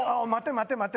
待て待て！